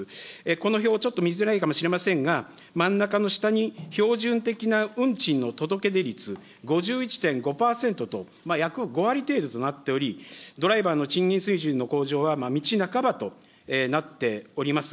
この表、ちょっと見づらいかもしれませんが、真ん中の下に標準的な運賃の届け出率５１．５％と、約５割程度となっており、ドライバーの賃金水準の向上は道半ばとなっております。